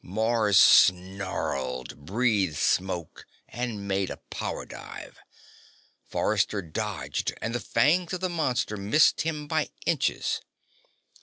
Mars snarled, breathed smoke and made a power dive. Forrester dodged and the fangs of the monster missed him by inches.